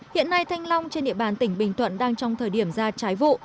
hiện nay thanh long trên địa bàn tỉnh bình thuận đang trong thời điểm ra trái vụ